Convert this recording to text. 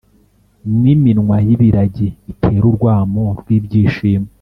n’iminwa y’ibiragi itere urwamo rw’ibyishimo.